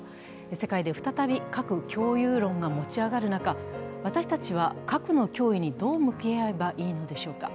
世界で再び核共有論が持ち上がる中、私たちは核の脅威にどう向き合えばいいのでしょうか。